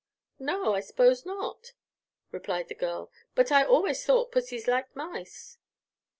"No, I suppose not," replied the girl; "but I always thought pussys liked mice."